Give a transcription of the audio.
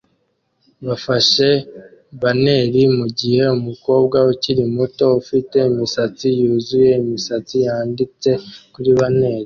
bafashe banneri mugihe umukobwa ukiri muto ufite imisatsi yuzuye imisatsi yanditse kuri banneri